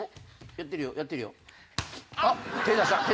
やってるよやってるよ。